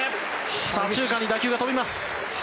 左中間に打球が飛びます。